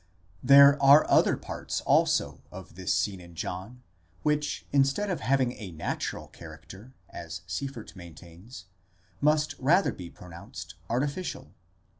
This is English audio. There are other parts also of this scene in John, which, instead of having a natural character, as Sieffert maintains, must rather be pronounced artificial.